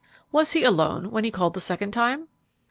"Was he alone when he called the second time?"